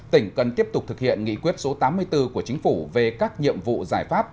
tỉnh cần tiếp tục thực hiện nghị quyết số tám mươi bốn của chính phủ về các nhiệm vụ giải pháp